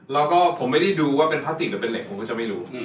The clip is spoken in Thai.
แล้วก็ผมไม่ได้ดูว่าเป็นพลาสติกหรือเป็นเหล็กผมก็จะไม่รู้